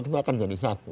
itu akan jadi satu